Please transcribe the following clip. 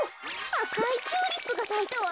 あかいチューリップがさいたわ。